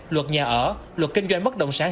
luật nhà ở luật kinh doanh bất động sản